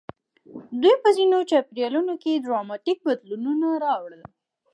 دوی په ځینو چاپېریالونو کې ډراماتیک بدلونونه راوړل.